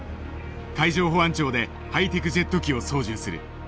海上保安庁でハイテクジェット機を操縦する。